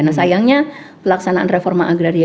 nah sayangnya pelaksanaan reforma agraria